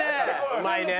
うまいね！